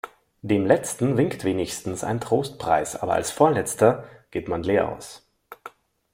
Dem Letzten winkt wenigstens ein Trostpreis, aber als Vorletzter geht man leer aus.